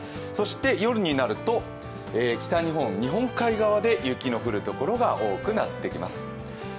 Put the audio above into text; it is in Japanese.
そして夜になると、北日本、日本海側で雪の降るところが多くなってきます。